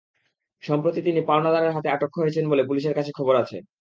সম্প্রতি তিনি পাওনাদারের হাতে আটক হয়েছেন বলে পুলিশের কাছে খবর আছে।